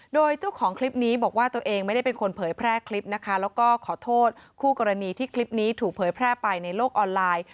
โดยเจ้าของคลิปนี้บอกว่าตัวเองไม่ได้เป็นคนเผยแพร่คลิปนะคะแล้วก็ขอโทษคู่กรณีที่คลิปนี้ถูกเผยแพร่ไปในโลกออนไลน์